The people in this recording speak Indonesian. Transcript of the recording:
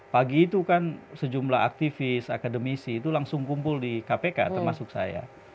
pagi itu kan sejumlah aktivis akademisi itu langsung kumpul di kpk termasuk saya